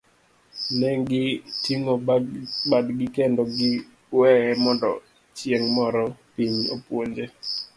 Negi ting'o badgi kendo giweye mondo chieng' moro piny opuonje.